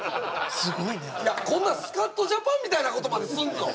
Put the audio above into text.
すごいねこんな「スカッとジャパン」みたいなことまですんの？